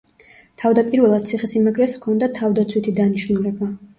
თავდაპირველად ციხესიმაგრეს ჰქონდა თავდაცვითი დანიშნულება.